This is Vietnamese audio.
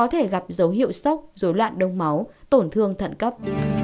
dấu hiệu sốc dối loạn đông máu tổn thương thận cấp